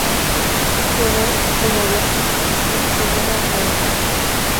Theodore, el mayor, le sucedió a la baronía.